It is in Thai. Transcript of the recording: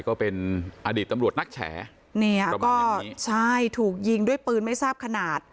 ก็เป็นอดีตตำรวจนักแฉเนี่ยแล้วก็ใช่ถูกยิงด้วยปืนไม่ทราบขนาด